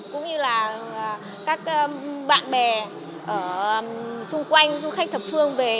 cũng như là các bạn bè xung quanh du khách thập phương về